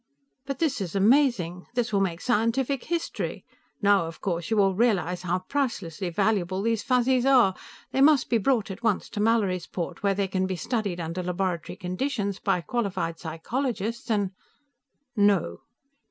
"But this is amazing! This will make scientific history! Now, of course, you all realize how pricelessly valuable these Fuzzies are. They must be brought at once to Mallorysport, where they can be studied under laboratory conditions by qualified psychologists, and " "No."